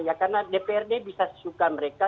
ya karena dpr dki bisa sesuka mereka